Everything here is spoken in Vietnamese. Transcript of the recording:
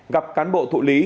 gặp cán bộ thụ lý